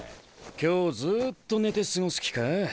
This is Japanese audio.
今日ずっと寝て過ごす気か？